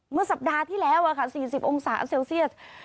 เมื่อสัปดาห์ที่แล้ว๔๐องศาเซลเซียส